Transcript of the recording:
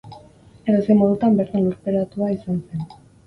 Edozein modutan, bertan lurperatua izan zen.